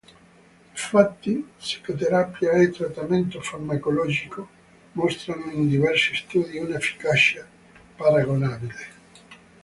Di fatti, psicoterapia e trattamento farmacologico, mostrano in diversi studi una efficacia paragonabile.